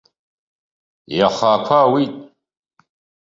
Иаха ақәа ауит.